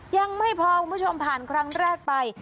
ยังไม่พอคุณผู้ชมผ่านครั้งแรกไป